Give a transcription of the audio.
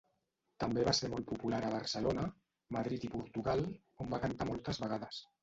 També va ser molt popular a Barcelona, Madrid i Portugal, on va cantar moltes vegades.